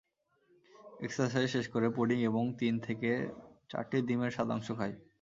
Exercise শেষ করে pudding এবং তিন থেকে চারটি ডিমের সাদা অংশ খাই।